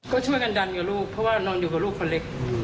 ก็ช่วยกันดันกับลูกเพราะว่านอนอยู่กับลูกคนเล็ก